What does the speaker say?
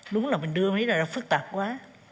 đúng là mình đưa mấy đoạn đó phức tạp quá